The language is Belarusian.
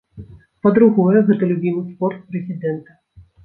Па-другое, гэта любімы спорт прэзідэнта.